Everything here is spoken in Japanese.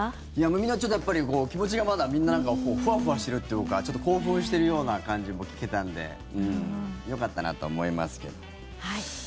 みんなちょっとやっぱり気持ちがまだみんな、なんかふわふわしてるというかちょっと興奮してるような感じも聞けたんでよかったなと思いますけど。